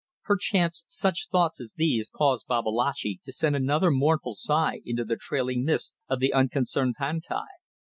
Perchance such thoughts as these caused Babalatchi to send another mournful sigh into the trailing mists of the unconcerned Pantai.